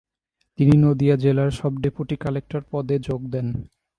তিনি নদীয়া জেলার sub deputy collector পদে যোগ দেন।